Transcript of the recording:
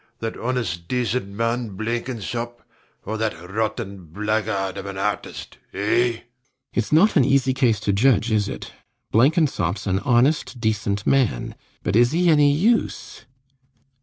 that honest decent man Blenkinsop, or that rotten blackguard of an artist, eh? RIDGEON. Its not an easy case to judge, is it? Blenkinsop's an honest decent man; but is he any use?